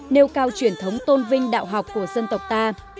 nêu cao truyền thống tôn vinh đạo học của dân tộc ta